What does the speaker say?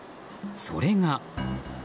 それが。